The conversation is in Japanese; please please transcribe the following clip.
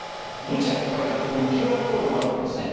ブチャと書いてあってここにＱＲコードがあるとですね